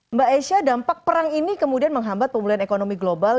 mbak esha dampak perang ini kemudian menghambat pemulihan ekonomi global